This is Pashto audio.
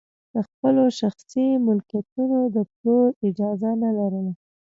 د خپلو شخصي ملکیتونو د پلور اجازه نه لرله.